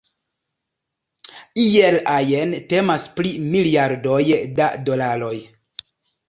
Iel ajn temas pri miliardoj da dolaroj.